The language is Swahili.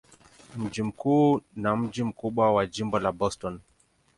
Mji mkuu na mji mkubwa wa jimbo ni Boston.